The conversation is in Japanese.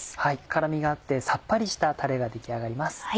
辛みがあってさっぱりしたタレが出来上がります。